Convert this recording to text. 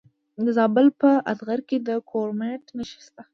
د زابل په اتغر کې د کرومایټ نښې شته.